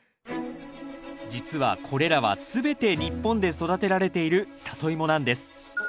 実はこれらは全て日本で育てられているサトイモなんです。